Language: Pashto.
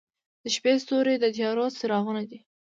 • د شپې ستوري د تیارو څراغونه دي.